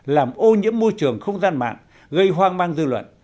làm ô nhiễm môi trường không gian mạng gây hoang mang dư luận